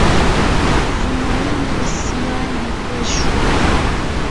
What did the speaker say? Jumainne siiyali kwechu.